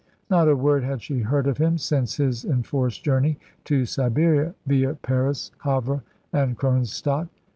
Not a word had she heard of him since his enforced journey to Siberia, via Paris, Havre, and Kronstadt.